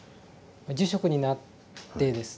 住職になってですね